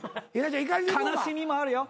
悲しみもあるよ悲しい。